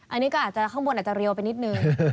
อันนี้ก็อาจจะข้างบนเรียวไปนิดหนึ่ง